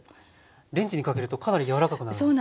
レンジにかけるとかなり柔らかくなるんですね。